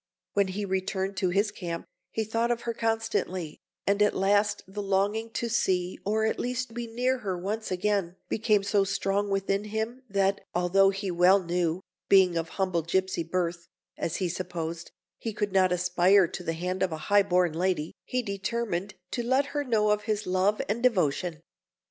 When he returned to his camp, he thought of her constantly, and at last the longing to see, or at least be near to her once again, became so strong within him, that (although he well knew, being of but humble gipsy birth, as he supposed, he could not aspire to the hand of a high born lady) he determined to let her know of his love and devotion.